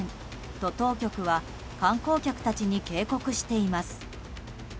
と、当局は観光客たちに警告しています。